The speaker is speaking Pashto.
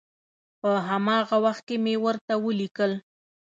په هماغه وخت کې مې ورته ولیکل.